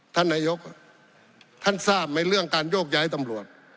ท่านนายกท่านทราบไหมเรื่องการโยกย้ายตำรวจ